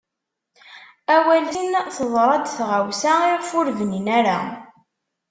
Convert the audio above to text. Awal sin teḍṛa-d tɣawsa i ɣef ur bnin ara.